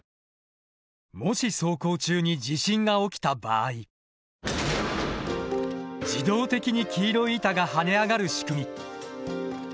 もし走行中に地震が起きた場合自動的に黄色い板が跳ね上がる仕組み。